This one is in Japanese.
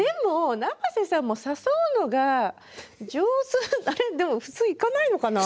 生瀬さんも誘うのが上手普通、行かないのかな？